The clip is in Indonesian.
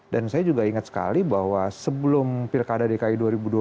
dan saya juga ingat sekali bahwa sebelum pilkada dki dua ribu dua belas